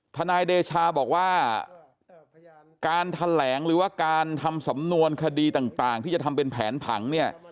ทนายเดชาบอกว่าการแถลงหรือว่าการทำสำนวนคดีต่างที่จะทำเป็นแผนผังเนี่ย